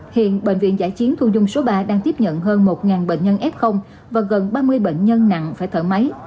hiện bệnh viện giã chiến thu dung số ba đang tiếp nhận hơn một bệnh nhân f và gần ba mươi bệnh nhân nặng phải thở máy